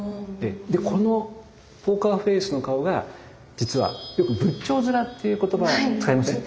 でこのポーカーフェースの顔が実はよく仏頂面っていう言葉使いません？